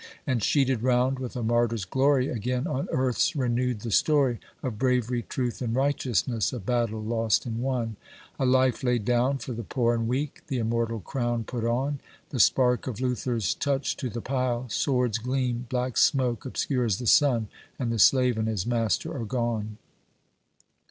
And, sheeted round with a martyr's glory, again on earth 's renewed the story Of bravery, truth, and righteousness, a battle lost and won ; A life laid down for the poor and weak, the immortal crown put on ; The spark of Luther's touched to the pile — swords gleam — black smoke obscures the sun — And the slave and his master are gone